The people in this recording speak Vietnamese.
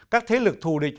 các thế lực thù định